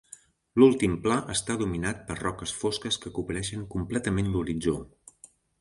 L'últim pla està dominat per roques fosques que cobreixen completament l'horitzó.